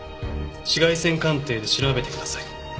「紫外線鑑定で調べてください」